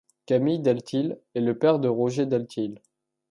Camille Delthil est le père de Roger Delthil.